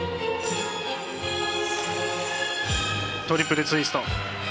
トリプルツイスト。